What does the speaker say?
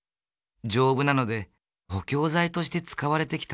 丈夫なので補強材として使われてきた。